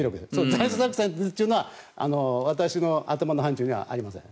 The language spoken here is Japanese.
斬首作戦というのは私の頭の範疇にはありません。